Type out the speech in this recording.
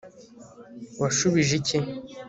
washubije iki